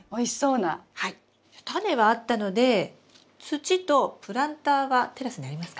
タネはあったので土とプランターはテラスにありますか？